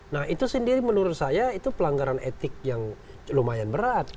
nah itu sendiri menurut saya itu pelanggaran etik yang lumayan berat